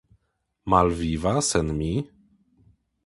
malviva sen mi?